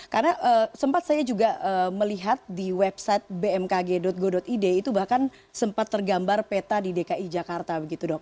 karena sempat saya juga melihat di website bmkg go id itu bahkan sempat tergambar peta di dki jakarta begitu dok